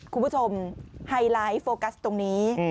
คุณผู้ชมไฮไลท์โฟกัสตรงนี้